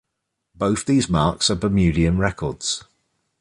Both these marks are Bermudian records.